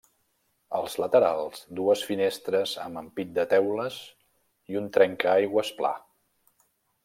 Als laterals, dues finestres amb ampit de teules i un trenca aigües pla.